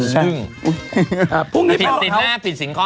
ใช่พรุ่งนี้เผ่าแล้วเขาผิดสิ่งแรกผิดสิ่งข้อ๕